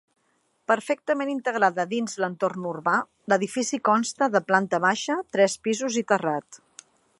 Perfectament integrada dins l'entorn urbà, l'edifici consta de planta baixa, tres pisos i terrat.